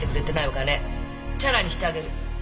お金チャラにしてあげる。